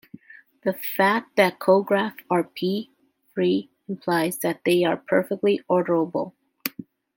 The fact that cographs are "P"-free implies that they are perfectly orderable.